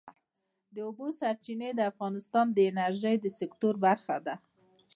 د اوبو سرچینې د افغانستان د انرژۍ سکتور برخه ده.